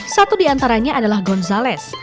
satu di antaranya adalah gonzales